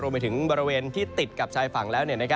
รวมไปถึงบริเวณที่ติดกับชายฝังแล้ว